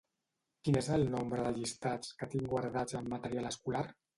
Quin és el nombre de llistats que tinc guardats amb material escolar?